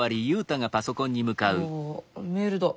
あメールだ。